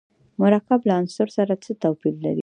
مرکب له عنصر سره څه توپیر لري.